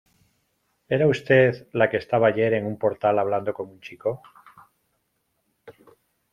¿ era usted la que estaba ayer en un portal hablando con un chico?